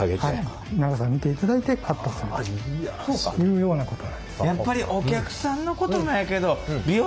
長さ見ていただいてカットするというようなことなんです。